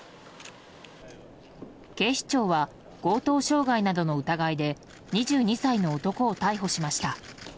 警視庁は強盗傷害などの疑いで２２歳の男を逮捕しました。